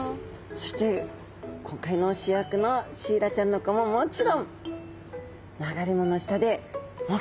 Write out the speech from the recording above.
そして今回の主役のシイラちゃんの子ももちろん流れ藻の下で大きくなってくんですね。